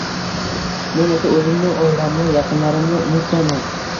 Men esa oʻzimni, oilamni, yaqinlarimni unutganman